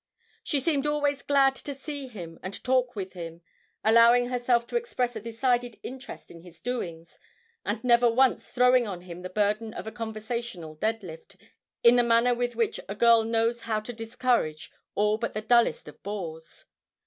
She seemed always glad to see and talk with him, allowing herself to express a decided interest in his doings, and never once throwing on him the burden of a conversational deadlift in the manner with which a girl knows how to discourage all but the dullest of bores.